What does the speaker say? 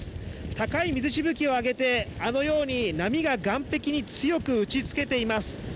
高い水しぶきを上げて、あのように波が岸壁に強く打ちつけています。